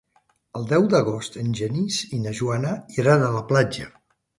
El deu d'agost en Genís i na Joana iran a la platja.